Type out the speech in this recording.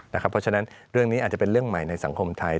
เพราะฉะนั้นเรื่องนี้อาจจะเป็นเรื่องใหม่ในสังคมไทย